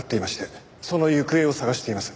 その行方を捜しています。